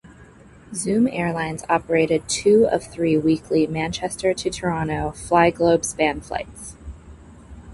Zoom Airlines operated two of three weekly Manchester to Toronto Flyglobespan flights.